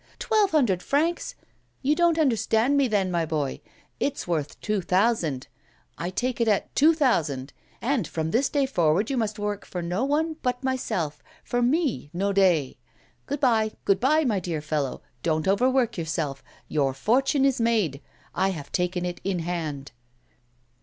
Twelve hundred francs! You don't understand me, then, my boy; it's worth two thousand. I take it at two thousand. And from this day forward you must work for no one but myself for me, Naudet. Good bye, good bye, my dear fellow; don't overwork yourself your fortune is made. I have taken it in hand."